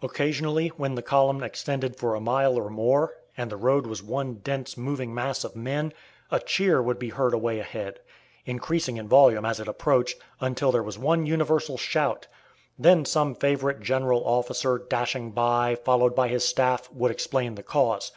Occasionally, when the column extended for a mile or more, and the road was one dense moving mass of men, a cheer would be heard away ahead, increasing in volume as it approached, until there was one universal shout. Then some favorite general officer, dashing by, followed by his staff, would explain the cause.